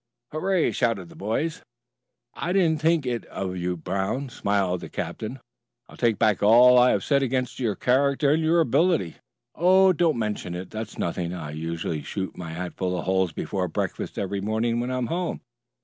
"Hooray!" shouted the boys. "I didn't think it of you, Brown," smiled the captain. "I take back all I have said against your character and your ability." "Oh, don't mention it. That's nothing. I usually shoot my hat full of holes before breakfast every morning when I'm home.